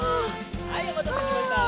はいおまたせしました！